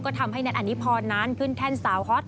ก็ทำให้แท็กอันนิพรนั้นขึ้นแท่นสาวฮอต